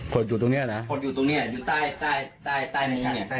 ขวดอยู่ตรงเนี่ยนะขวดอยู่ตรงเนี่ยอยู่ใต้ขาเนี่ย